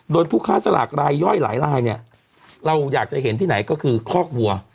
โดยผู้ค้าสลากรายย่อยหลายรายเนี่ยเราอยากจะเห็นที่ไหนก็คือคอกวัว